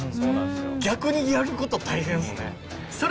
分逆にやること大変っすね。